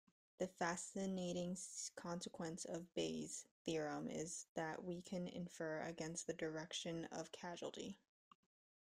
The fascinating consequence of Bayes' theorem is that we can infer against the direction of causality.